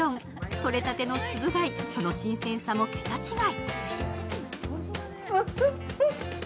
取れたてのつぶ貝、その新鮮さも桁違い。